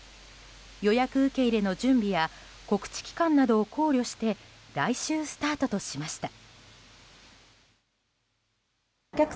予約受け入れの準備や告知期間などを考慮して来週スタートとしました。